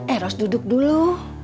eros duduk dulu